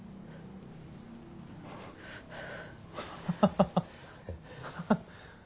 ハハハハハ。